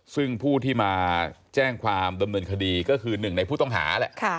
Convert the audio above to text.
ซึ่งผู้ที่มาแจ้งความดำเนินคดีก็คือหนึ่งในผู้ต้องหาแหละ